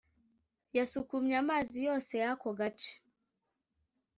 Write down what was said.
Yasukumye amazi yose yako gace